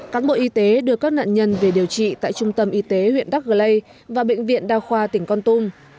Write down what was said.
các bộ y tế đưa các nạn nhân về điều trị tại trung tâm y tế huyện đắc lây và bệnh viện đao khoa tỉnh con tum